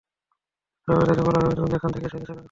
জবাবে তাকে বলা হবে, তুমি যেখান থেকে এসেছ সেখানে ফিরে যাও।